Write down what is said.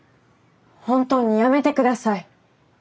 本当にやめて下さい。